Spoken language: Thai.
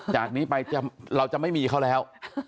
จากนี้ไปเราจะไม่มีเขาแล้ว